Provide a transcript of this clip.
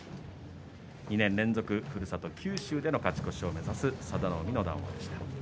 ２年連続ふるさと九州での勝ち越しを目指す佐田の海です。